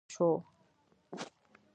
د پاچا پر وړاندې سنګر پاتې شو.